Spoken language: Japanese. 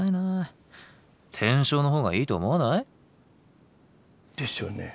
天正のほうがいいと思わない？ですよね。